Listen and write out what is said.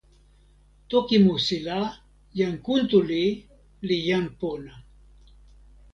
toki musi la, jan Kuntuli li jan pona.